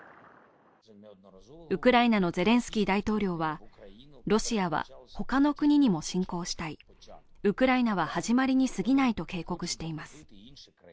ウクライナのゼレンスキー大統領は、ロシアは他の国にも侵攻したいウクライナは始まりにすぎないと警告しています。